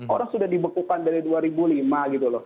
orang sudah dibekukan dari dua ribu lima gitu loh